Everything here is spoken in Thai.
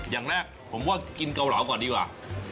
อย่างแรกผมว่ากินเกาเหลาก่อนดีกว่า